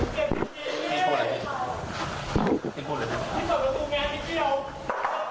ครับครับ